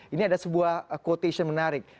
ini ada sebuah quotation menarik